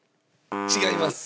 違います。